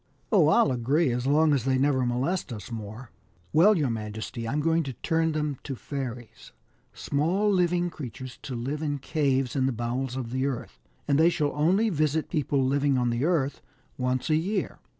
" Oh ! I'll agree, as long as they never molest us more/' " Well, your majesty, I'm going to turn them to fairies small living creatures to live in caves in the bowels of the earth, and they shall only visit people living on the earth once a year.